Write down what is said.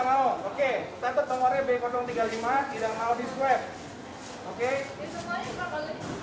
kita tetep nomornya b tiga puluh lima tidak mau di swap